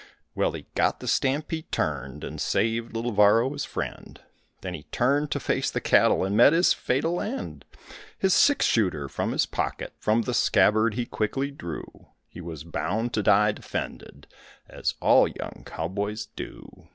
Well, he got the stampede turned and saved little Varro, his friend. Then he turned to face the cattle and meet his fatal end. His six shooter from his pocket, from the scabbard he quickly drew, He was bound to die defended as all young cowboys do.